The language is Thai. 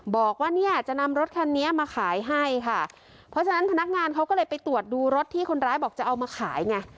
บอกว่าเนี่ยจะนำรถคันนี้มาขายให้ค่ะเพราะฉะนั้นพนักงานเขาก็เลยไปตรวจดูรถที่คนร้ายบอกจะเอามาขายไง